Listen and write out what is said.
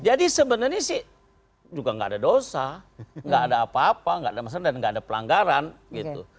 jadi sebenarnya sih juga enggak ada dosa enggak ada apa apa enggak ada masalah dan enggak ada pelanggaran gitu